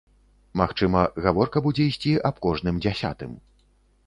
Магчыма, гаворка будзе ісці аб кожным дзясятым.